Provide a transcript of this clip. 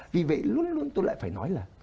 vì vậy luôn luôn tôi lại phải nói là